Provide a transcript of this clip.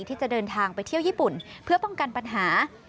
ที่จะเดินทางไปเที่ยวญี่ปุ่นเพื่อป้องกันปัญหา